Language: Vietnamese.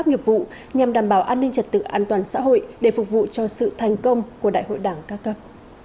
nghiệp vụ nhằm đảm bảo an ninh trật tự an toàn xã hội để phục vụ cho sự thành công của đại hội đảng các cấp